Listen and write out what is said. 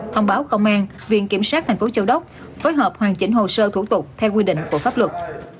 thông báo công an viện kiểm soát thành phố châu đốc phối hợp hoàn chỉnh hồ sơ thủ tục theo quy định của pháp luật